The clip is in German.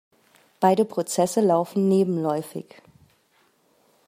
Beide Prozesse laufen nebenläufig.